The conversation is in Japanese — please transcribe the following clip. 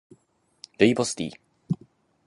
ルイボスティー